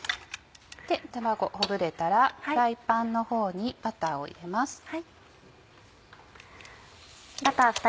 卵ほぐれたらフライパンのほうにバターを入れます。